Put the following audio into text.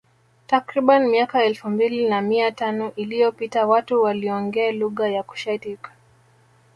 Takriban miaka elfu mbili na mia tano iliyopita watu walionge lugha ya Cushitic